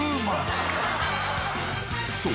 ［そう。